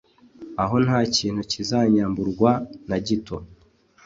aho ntakintu kizanyamburwa na gito